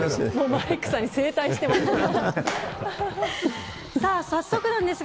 マリックさんに正対しています。